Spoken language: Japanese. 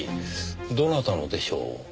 どなたのでしょう？